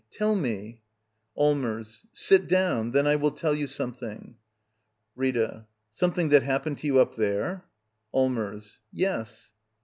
Tell me! Allmers. Sit down. Then I will tell you something. Rita. Something that happened to you up there? Allmers. Yes.